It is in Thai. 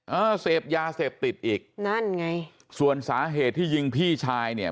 เออเสพยาเสพติดอีกนั่นไงส่วนสาเหตุที่ยิงพี่ชายเนี่ย